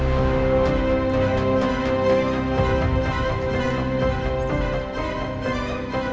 pada saat penangkapan elsa